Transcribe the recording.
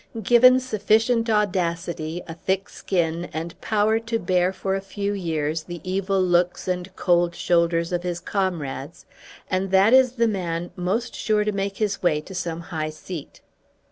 Given sufficient audacity, a thick skin, and power to bear for a few years the evil looks and cold shoulders of his comrades, and that is the man most sure to make his way to some high seat.